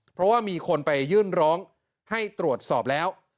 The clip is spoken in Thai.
เพราะว่ามีคนไปยื่นร้องให้ตรวจสอบแล้ว